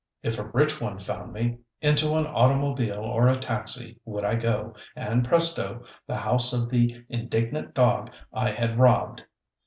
If a rich one found me, into an automobile or a taxi would I go, and presto! the house of the indignant dog I had robbed.